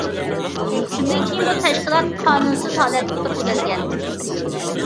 شۇنىڭدىن كېيىن بۇ تەشكىلات قانۇنسىز ھالەتتە تۇرۇپ كەلگەن.